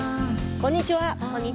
こんにちは。